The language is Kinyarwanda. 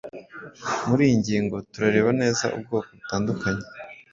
Muri iyi ngingo, turareba neza ubwoko butandukanye